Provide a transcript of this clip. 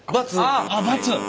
あっ×。